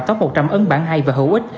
có một trăm linh ấn bản hay và hữu ích